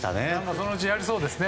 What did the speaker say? そのうちやりそうですね。